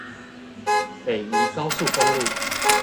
北宜高速公路